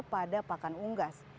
pada pakan unggas